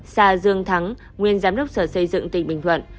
ba sa dương thắng nguyên giám đốc sở xây dựng tỉnh bình thuận